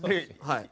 はい。